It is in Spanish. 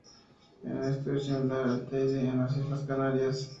En esto, es similar al Teide, en las islas Canarias.